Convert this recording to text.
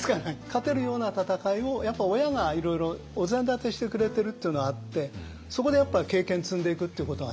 勝てるような戦いを親がいろいろお膳立てしてくれてるっていうのはあってそこでやっぱ経験積んでいくっていうことが大事ですね。